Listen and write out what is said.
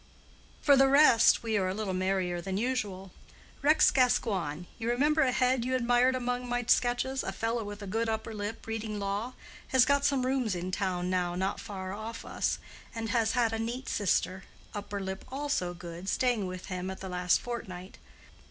For the rest, we are a little merrier than usual. Rex Gascoigne—you remember a head you admired among my sketches, a fellow with a good upper lip, reading law—has got some rooms in town now not far off us, and has had a neat sister (upper lip also good) staying with him the last fortnight.